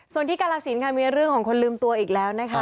ส่วนที่กาลสินค่ะมีเรื่องของคนลืมตัวอีกแล้วนะคะ